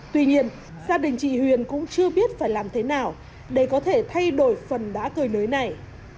tuy nhiên gia đình chị huyền cũng chưa biết phải làm thế nào để có thể thay đổi phần đá cơi nới này